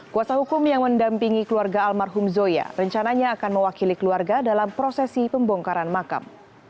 kuasa hukum yang mendampingi keluarga almarhum zoya rencananya akan mewakili keluarga dalam prosesi pembongkaran makam